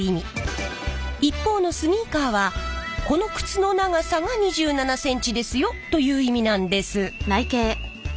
一方のスニーカーはこの靴の長さが２７ｃｍですよ！という意味なんです。